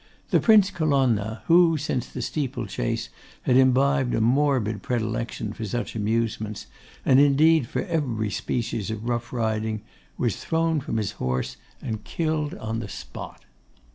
The Prince Colonna, who, since the steeple chase, had imbibed a morbid predilection for such amusements, and indeed for every species of rough riding, was thrown from his horse and killed on the spot.